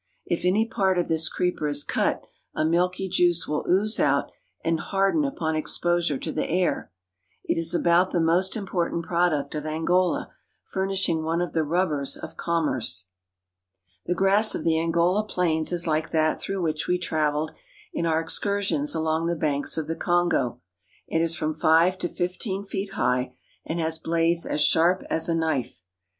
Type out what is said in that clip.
If any part of this creeper is cut, a milky juice will ooze out and harden upon exposure to the air. It is about the most important product of Angola, furnishing one of the rubbers of commerce. The grass of the Angola plains is like that through which we traveled in our excursions along the banks of the Kongo. It is from five to fifteen feet high, and has blades as sharp as a knife.